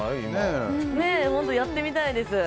やってみたいです。